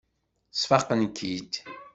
Sfaqent-k-id.